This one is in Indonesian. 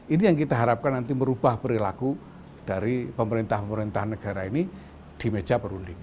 ini yang kita harapkan nanti merubah perilaku dari pemerintah pemerintah negara ini di meja perunding